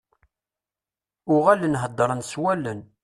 Uɣalen heddren s wallen.